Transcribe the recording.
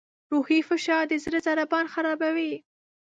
روحي فشار د زړه ضربان خرابوي.